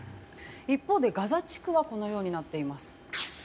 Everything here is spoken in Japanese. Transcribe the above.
一方でガザ地区はこのようになっています。